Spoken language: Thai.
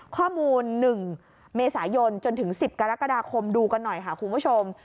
ข้อมูล๑เมษายนจนถึง๑๐กรกฎาคมดูกันหน่อยค่ะคุณผู้ชม